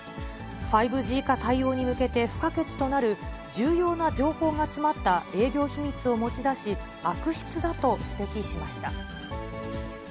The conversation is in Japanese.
５Ｇ化対応に向けて、不可欠となる重要な情報が詰まった営業秘密を持ち出し、悪質だと指摘しました。